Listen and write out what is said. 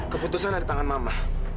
keputusan ada tangan mama